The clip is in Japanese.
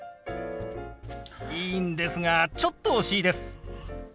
いいんですがちょっと惜しいです。